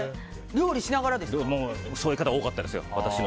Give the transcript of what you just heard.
そういう方多かったですよ。